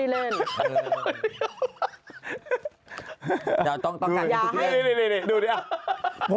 กี่คนอ่ะแคส